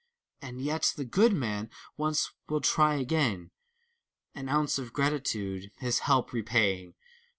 And yet the good man once will try again. An ounce of gratitude, his help repaying.